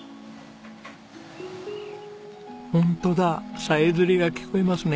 ホントださえずりが聞こえますね。